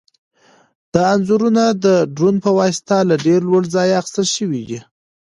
دا انځورونه د ډرون په واسطه له ډېر لوړ ځایه اخیستل شوي دي.